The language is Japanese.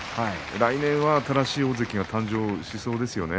来年は、新しい大関が誕生しそうですね。